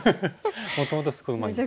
もともとすごいうまいんですよ。